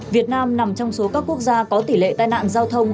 việt nam nằm trong số các quốc gia có tỷ lệ tai nạn giao thông